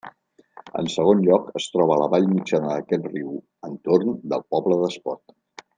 En segon lloc, es troba la vall mitjana d'aquest riu, entorn del poble d'Espot.